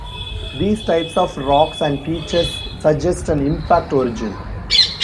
These types of rocks and features suggest an impact origin.